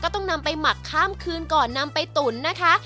ต้องนำไปหมักข้ามคืนก่อนนำไปตุ๋นนะคะ